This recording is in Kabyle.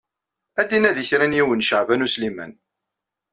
Ad d-inadi kra n yiwen Caɛban U Sliman.